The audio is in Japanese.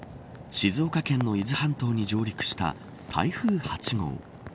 静岡県の伊豆半島に上陸した台風８号。